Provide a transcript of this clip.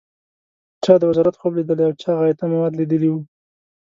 چا د وزارت خوب لیدلی او چا غایطه مواد لیدلي و.